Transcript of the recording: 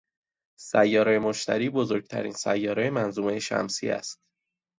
سیاره مشتری، بزرگترین سیاره منظومهٔ شمسی است